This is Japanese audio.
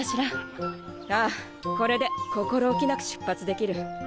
ああこれで心置きなく出発できる。